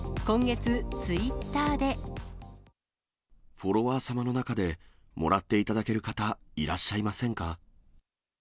フォロワー様の中でもらっていただける方、いらっしゃいませんか？